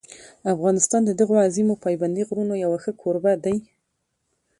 افغانستان د دغو عظیمو پابندي غرونو یو ښه کوربه دی.